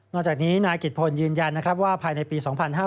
นอกจากนี้นายกิจพลยืนยันว่าภายในปี๒๕๖๐